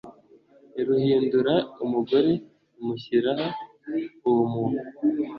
iruhindura umugore imushyira uwo muntu